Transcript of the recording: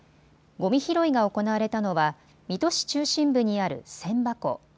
ごみ拾いが行われたのは水戸市中心部にある千波湖。